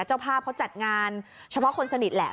เจ้าภาพเขาจัดงานเฉพาะคนสนิทแหละ